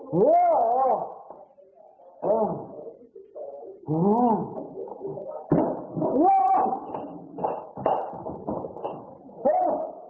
คุณอาจออกจากบ้านก่อน